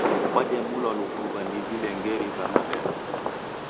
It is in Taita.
Wademulwa lufuw’a ni vilengeri va mabemba.